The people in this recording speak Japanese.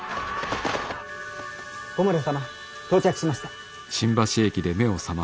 小村様到着しました。